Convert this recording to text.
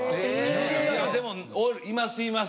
でもいますいます。